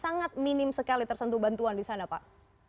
sangat minim sekali tersentuh bantuan di sana pak